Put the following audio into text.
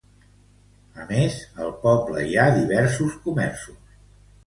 A més, al poble hi ha diversos comerços.